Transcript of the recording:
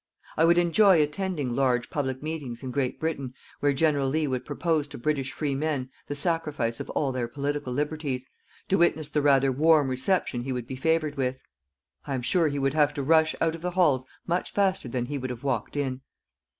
I would enjoy attending large public meetings in Great Britain, where General Lea would propose to British free men the sacrifice of all their political liberties, to witness the rather warm reception he would be favoured with. I am sure he would have to rush out of the halls much faster than he would have walked in.